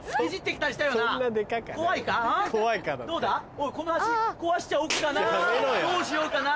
おいこの橋壊しちゃおっかなどうしようかな！